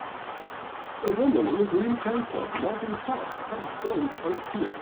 A woman in a green tank top walking past some boats on a pier.